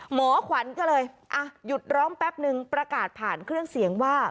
หมอขวัญก็เลยอ่ะหยุดร้องแป๊บนึงประกาศผ่านเครื่องเสียงว่า